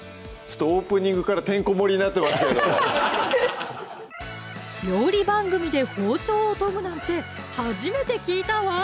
オープニングからてんこ盛りになってますけど料理番組で包丁を研ぐなんて初めて聞いたわ！